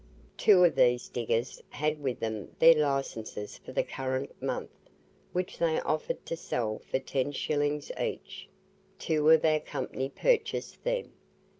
Two of these diggers had with them their licences for the current month, which they offered to sell for ten shillings each; two of our company purchased them.